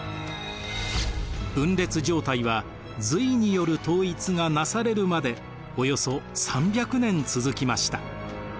分裂状態は隋による統一が成されるまでおよそ３００年続きました。